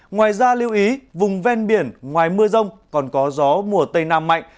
ngoài ra lưu ý vùng ven biển ngoài mưa rông còn có gió mùa tây nam mạnh